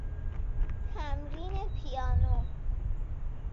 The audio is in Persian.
تمرین پیانو